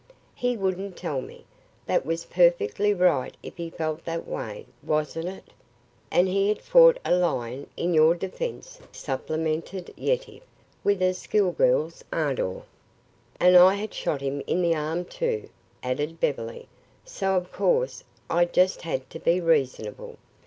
He wouldn't tell me. That was perfectly right, if he felt that way, wasn't it?" "And he had fought a lion in your defense," supplemented Yetive, with a schoolgirl's ardor. "And I had shot him in the arm, too," added Beverly. "So of course, I just had to be reasonable.